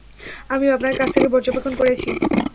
আমিও আপনাকে কাছ থেকে পর্যবেক্ষণ করেছি।